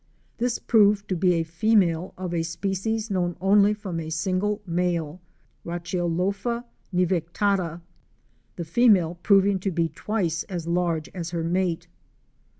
This proved to be a female of a species known only from a single male (Racheolopha nivetacta), the female proving to be twice as large as her mate.